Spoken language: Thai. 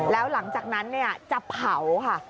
แล้วหลังจากนั้นจะเผาค่ะ